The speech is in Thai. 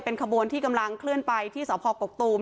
ขบวนที่กำลังเคลื่อนไปที่สพกกตูม